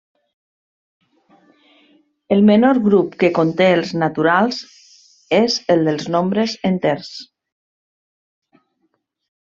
El menor grup que conté els naturals és el dels nombres enters.